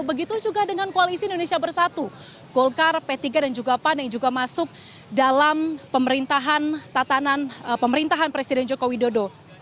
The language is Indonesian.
begitu juga dengan koalisi indonesia bersatu golkar p tiga dan juga pan yang juga masuk dalam pemerintahan tatanan pemerintahan presiden joko widodo